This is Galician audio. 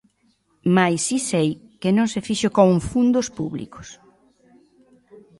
Mais si sei que non se fixo con fundos públicos.